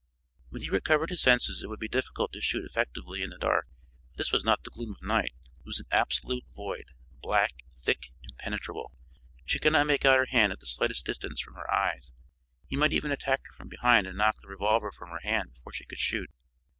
When he recovered his senses, it would be difficult to shoot effectively in the dark, for this was not the gloom of night it was an absolute void, black, thick, impenetrable. She could not make out her hand at the slightest distance from her eyes. He might even attack her from behind and knock the revolver from her hand before she could shoot.